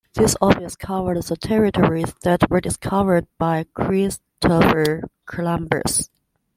This office covered the territories that were discovered by Christopher Columbus.